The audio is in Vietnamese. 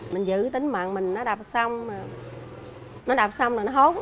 mình giữ tính mạng mình nó đập xong nó đập xong là nó hốt